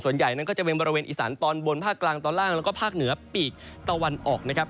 ส่วนใหญ่นั้นก็จะเป็นบริเวณอีสานตอนบนภาคกลางตอนล่างแล้วก็ภาคเหนือปีกตะวันออกนะครับ